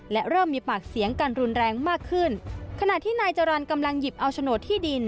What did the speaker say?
และเริ่มมีปากเสียงกันรุนแรงมากขึ้นขณะที่นายจรรย์กำลังหยิบเอาโฉนดที่ดิน